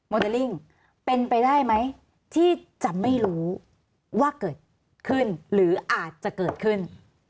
เดอลิ่งเป็นไปได้ไหมที่จะไม่รู้ว่าเกิดขึ้นหรืออาจจะเกิดขึ้น